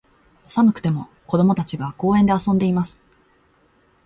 寒くても、子供たちが、公園で遊んでいます。